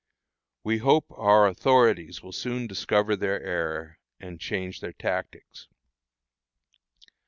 We hope our authorities will soon discover their error, and change their tactics.